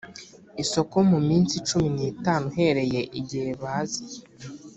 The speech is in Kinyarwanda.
isoko mu minsi cumi n itanu uhereye igihe baziye